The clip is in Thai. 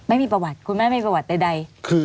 ไม่มีประวัติคุณแม่มีประวัติใด